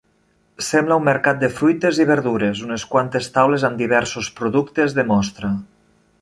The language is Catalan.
Sembla un mercat de fruites i verdures, unes quantes taules amb diversos productes de mostra.